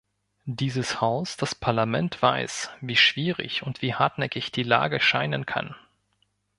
Dieses Haus das Parlament weiß, wie schwierig und wie hartnäckig die Lage scheinen kann.